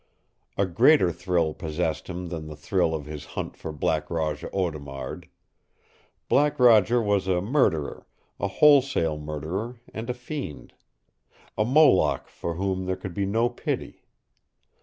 A greater thrill possessed him than the thrill of his hunt for Black Roger Audemard. Black Roger was a murderer, a wholesale murderer and a fiend, a Moloch for whom there could be no pity.